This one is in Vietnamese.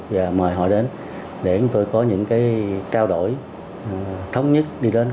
và mời họ đến để chúng tôi có những cái trao đổi thống nhất đi đến